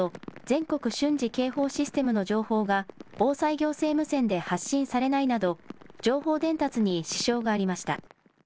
・全国瞬時警報システムの情報が防災行政無線で発信されないなど、情報伝達に支障がありました。